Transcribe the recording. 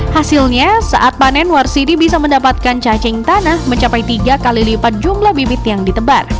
hasilnya saat panen warsidi bisa mendapatkan cacing tanah mencapai tiga kali lipat jumlah bibit yang ditebar